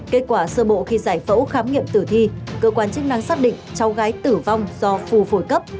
kết quả sơ bộ khi giải phẫu khám nghiệm tử thi cơ quan chức năng xác định cháu gái tử vong do phù phổi cấp